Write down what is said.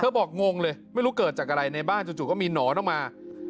บอกงงเลยไม่รู้เกิดจากอะไรในบ้านจู่ก็มีหนอนออกมา